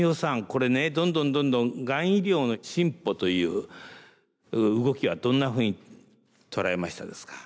これねどんどんどんどんがん医療の進歩という動きはどんなふうに捉えましたですか？